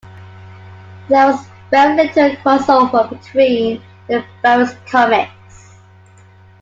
There was very little crossover between the various comics.